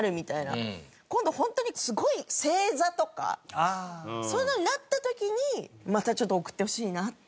今度ホントにすごい星座とかそういうのになった時にまたちょっと送ってほしいなって。